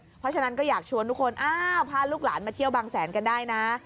เพราะฉะนั้นก็อยากชวนทุกคนอ้าวพาลูกหลานมาเที่ยวบางแสนกันได้นะ